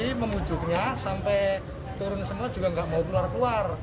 ini memujuknya sampai turun semua juga nggak mau keluar keluar